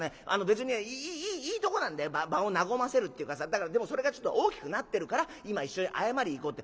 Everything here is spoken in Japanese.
別にいいとこなんだよ場を和ませるっていうかさだからでもそれがちょっと大きくなってるから今一緒に謝りに行こうって。